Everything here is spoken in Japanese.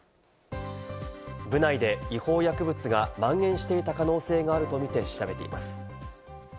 部内で違法薬物がまん延していた可能性があるとみて調べています。